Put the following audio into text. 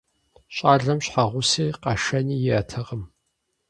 Щӏалэм щхьэгъуси къэшэни иӀэтэкъым.